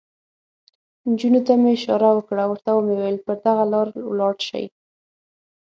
نجونو ته مې اشاره وکړه، ورته مې وویل: پر دغه لار ولاړ شئ.